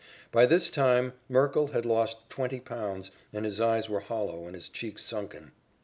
By this time, Merkle had lost twenty pounds, and his eyes were hollow and his cheeks sunken.